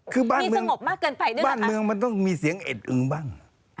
คือบ้านเมืองมันต้องมีเสียงเอ็ดอึงบ้าง